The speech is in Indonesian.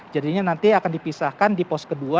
jadinya nanti akan dipisahkan di pos kedua